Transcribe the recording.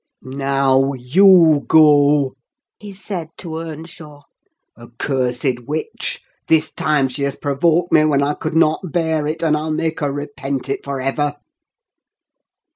"Now, you go!" he said to Earnshaw. "Accursed witch! this time she has provoked me when I could not bear it; and I'll make her repent it for ever!"